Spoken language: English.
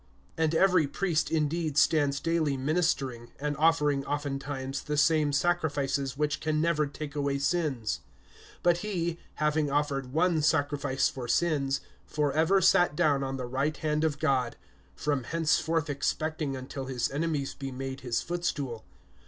(11)And every priest[10:11] indeed stands daily ministering, and offering oftentimes the same sacrifices, which can never take away sins; (12)but he, having offered one sacrifice for sins, for ever sat down on the right hand of God; (13)from henceforth expecting until his enemies be made his footstool.